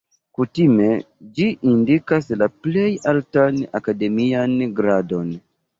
Kutime ĝi indikas la plej altan akademian gradon.